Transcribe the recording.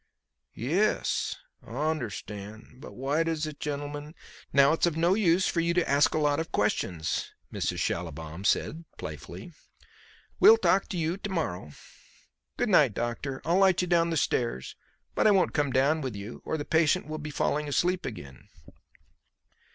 "Yes, I un'stan'. But why does this gennlem'n ?" "Now it's of no use for you to ask a lot of questions," Mrs. Schallibaum said playfully; "we'll talk to you to morrow. Good night, doctor. I'll light you down the stairs, but I won't come down with you, or the patient will be falling asleep again."